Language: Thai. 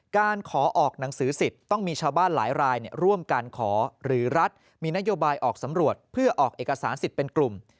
การขอออกหนังสือสิทธิ์ต้องมีชาวบ้านหลายรายร่วมการขอหรือรัฐมีนโยบายออกสำรวจเพื่อออกเอกสารสิทธิ์เป็นกลุ่ม